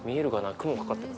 雲かかってる。